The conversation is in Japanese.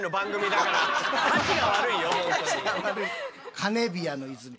カネビアの泉。